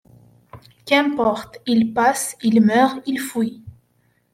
Qu’importe ! il passe, il meurt, il fuit ;